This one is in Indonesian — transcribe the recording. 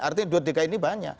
artinya dua dki ini banyak